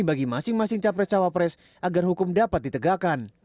bagi masing masing capres cawapres agar hukum dapat ditegakkan